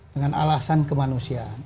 dengan alasan kemanusiaan